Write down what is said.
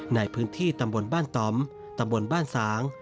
ในพื้นที่ตำบลบ้านต่อมตำบลบ้านสาง